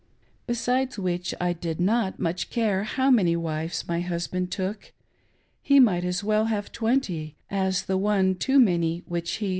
Besides which, I did not much care now how many wives my husband took, ^ Jie might as well have twenty, as the one too many which he